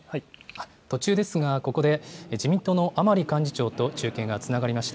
途中ですが、ここで自民党の甘利幹事長と中継がつながりました。